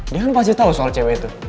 dia kan pasti tahu soal cewek itu